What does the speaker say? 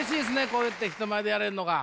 こうやって人前でやれるのが。